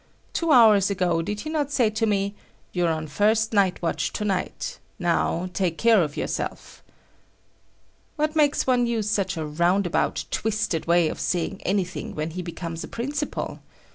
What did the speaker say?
Two hours ago, did he not say to me "You're on first night watch to night. Now, take care of yourself?" What makes one use such a roundabout, twisted way of saying anything when he becomes a principal?